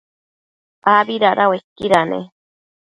abi dada uaiquida ne?